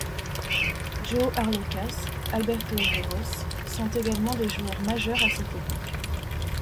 Joe Arlauckas, Alberto Herreros sont également des joueurs majeurs à cette période.